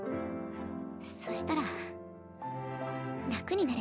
そしたら楽になれた。